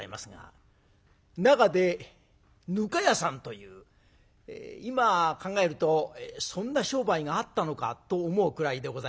中でぬか屋さんという今考えるとそんな商売があったのかと思うくらいでございますが。